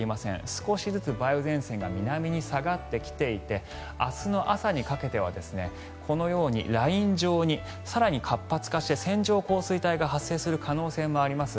少しずつ梅雨前線が南に下がってきていて明日の朝にかけてはこのようにライン状に更に活発化して線状降水帯が発生する可能性もあります。